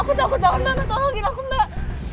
aku takut tau mbak tolongin aku mbak